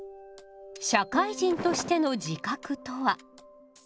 社会人としての自覚とは。